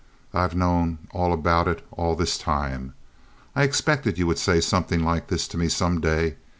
"I've known all about it all this time. I expected you would say something like this to me some day.